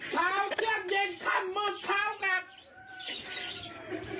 เช้าเครื่องเย็นค่ำมืดเช้ากลับ